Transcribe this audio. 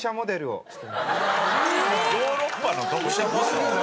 ヨーロッパの読者モデル？